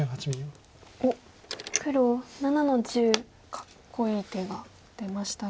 かっこいい手が出ましたが。